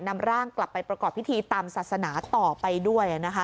นำร่างกลับไปประกอบพิธีตามศาสนาต่อไปด้วยนะคะ